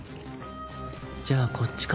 じゃあこっちか